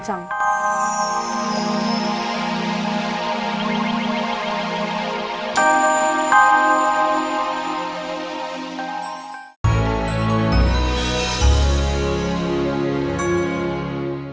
jangan hombre ya mu